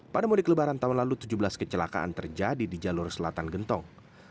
pada mudik lebaran tahun lalu tujuh belas kecelakaan terjadi di jalur selatan gentong